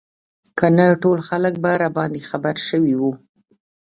که نه ټول خلک به راباندې خبر شوي وو.